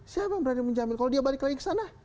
siapa yang berani menjamin kalau dia balik lagi ke sana